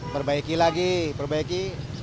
perbaiki lagi perbaiki